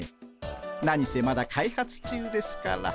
何せまだ開発中ですから。